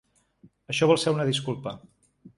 Això vol ser una disculpa.